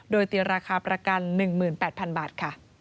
โดยตีราคาประกัน๑๘๐๐๐บาทค่ะ